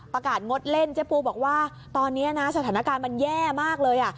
ประกาศงดเล่นเจ๊ปูบอกว่าตอนนี้นะสถานการณ์มันแย่มากเลย